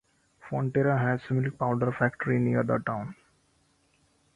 Fonterra has a milk powder factory near the town.